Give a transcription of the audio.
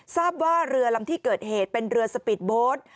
ทราบว่าเรือลำที่เกิดเหตุเป็นเรือสปีดโบสต์